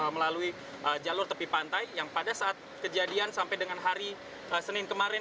melalui jalur tepi pantai yang pada saat kejadian sampai dengan hari senin kemarin